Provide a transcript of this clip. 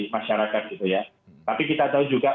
masyarakat gitu ya tapi kita tahu juga